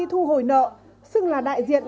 thu hồi nợ xưng là đại diện